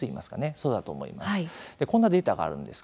そうだと思います。